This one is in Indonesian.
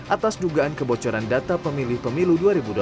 atas dugaan kebocoran data pemilih pemilu dua ribu dua puluh